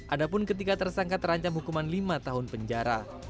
ada pun ketika tersangka terancam hukuman lima tahun penjara